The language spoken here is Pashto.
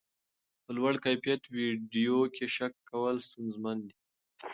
په لوړ کیفیت ویډیو کې شک کول ستونزمن دي.